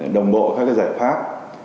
đồng bộ các giải pháp